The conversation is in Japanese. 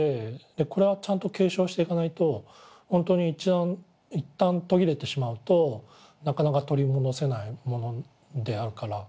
これはちゃんと継承していかないと本当にいったん途切れてしまうとなかなか取り戻せないものであるから。